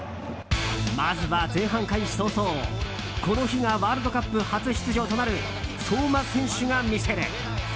まずは前半開始早々この日がワールドカップ初出場となる相馬選手が魅せる。